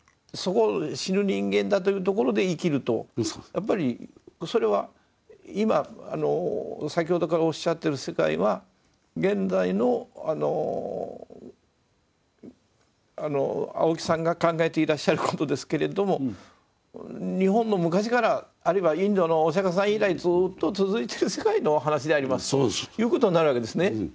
やっぱりそれは今先ほどからおっしゃってる世界は現代の青木さんが考えていらっしゃることですけれども日本の昔からあるいはインドのお釈さん以来ずっと続いてる世界のお話でありますということになるわけですね。